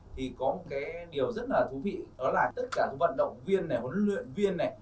thì có một cái điều rất là thú vị đó là tất cả những vận động viên này huấn luyện viên này